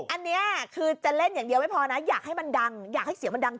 อันนี้คือจะเล่นอย่างเดียวไม่พอนะอยากให้มันดังอยากให้เสียงมันดัง